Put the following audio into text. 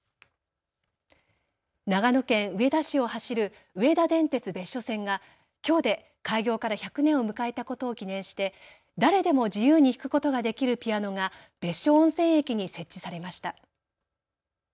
長野県上田市を走る上田電鉄別所線がきょうで開業から１００年を迎えたことを記念して誰でも自由に弾くことができるピアノが別所温泉駅に設置されました。